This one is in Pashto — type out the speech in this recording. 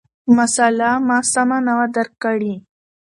مسأله ما سمه نه وه درک کړې،